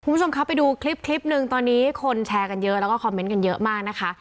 คุณผู้ชมครับไปดูคลิปคลิปหนึ่งตอนนี้คนแชร์กันเยอะแล้วก็คอมเมนต์กันเยอะมากนะคะ